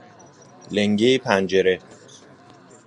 لنگه پنجره